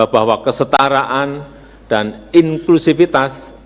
bahwa kesetaraan dan inklusivitas